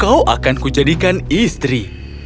kau akanku jadikan istri